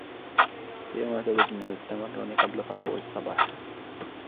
هي معتادة على التمرن قبل فطور الصباح.